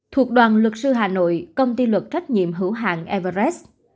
thuộc đoàn luật sư hà nội công ty luật trách nhiệm hữu hàng everest